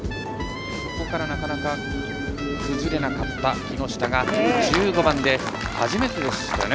ここからなかなか崩れなかった木下が１５番で初めてでしたね。